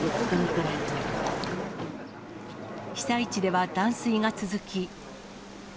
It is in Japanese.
被災地では断水が続き。